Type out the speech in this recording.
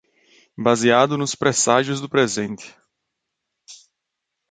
Baseado nos presságios do presente.